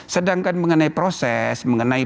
sedangkan mengenai proses mengenai